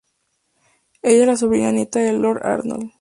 Ella es la sobrina nieta de Lord Arnold.